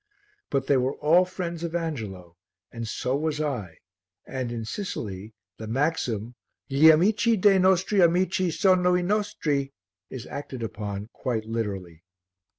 But they were all friends of Angelo and so was I and in Sicily the maxim "Gli amici dei nostri amici sono i nostri" is acted upon quite literally.